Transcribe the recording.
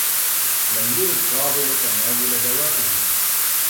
لم يرد فاضل تناول دوائه.